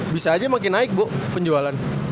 bisa aja makin naik bu penjualan